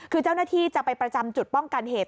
คือเจ้าหน้าที่จะไปประจำจุดป้องกันเหตุ